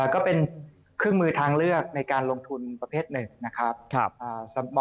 ก็เป็นเครื่องมือทางเลือกในการลงทุนประเภทหนึ่งนะครับ